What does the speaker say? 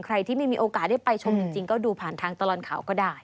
ใครที่ไม่มีโอกาสได้ไปชมจริงก็ดูผ่านทางตลอดข่าวก็ได้